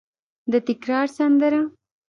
د تکرار سندره